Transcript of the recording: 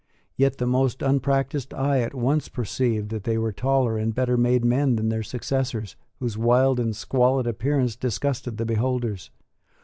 Yet the most unpractised eye at once perceived that they were taller and better made men than their successors, whose wild and squalid appearance disgusted the beholders.